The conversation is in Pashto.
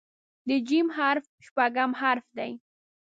د "ج" حرف شپږم حرف دی.